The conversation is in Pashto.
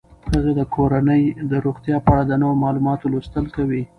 هغې د کورنۍ د روغتیا په اړه د نویو معلوماتو لوستل کوي.